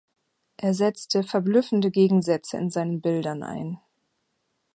Er setzte verblüffende Gegensätze in seinen Bildern ein.